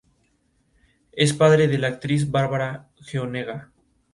Fue el introductor de la primera máquina de rayos X a su país.